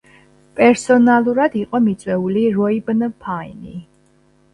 პერსონალურად იყო მიწვეული როიბნ ფაინი.